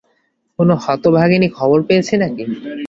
কোনো হতভাগিনী খবর পেয়েছে নাকি?